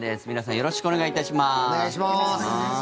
よろしくお願いします。